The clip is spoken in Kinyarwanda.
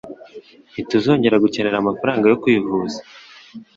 ntituzongera gukenera amafaranga yo kwivuza.